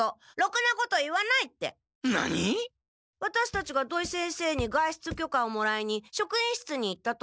ワタシたちが土井先生に外出許可をもらいにしょくいんしつに行った時。